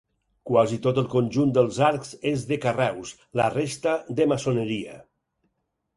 Quasi tot el conjunt dels arcs és de carreus, la resta de maçoneria.